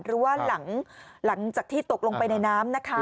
หรือว่าหลังจากที่ตกลงไปในน้ำนะคะ